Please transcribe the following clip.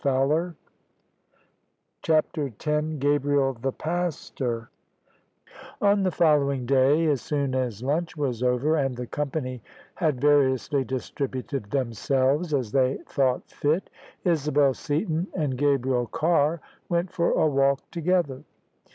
CHAPTER X GABRIEL THE PASTOR On the following day as soon as lunch was over, and the company had variously distributed themselves as they thought fit, Isabel Seaton and Gabriel Carr went for a walk to gether.